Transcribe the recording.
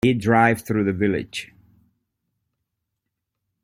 He drives through the village.